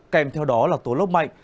kèm theo đó là tố lốc mạnh